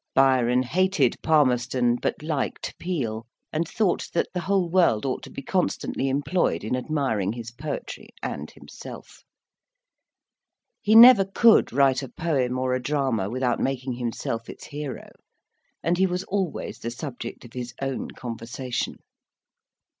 Byron hated Palmerston, but liked Peel, and thought that the whole world ought to be constantly employed in admiring his poetry and himself: he never could write a poem or a drama without making himself its hero, and he was always the subject of his own conversation.